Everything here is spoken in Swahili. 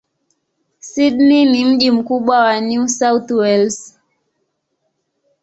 Sydney ni mji mkubwa wa New South Wales.